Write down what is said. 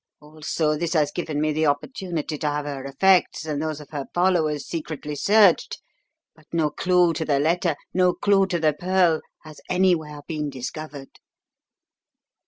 Also, this has given me the opportunity to have her effects and those of her followers secretly searched; but no clue to the letter, no clue to the pearl has anywhere been discovered."